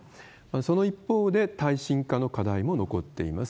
その一方で、耐震化の課題も残っています。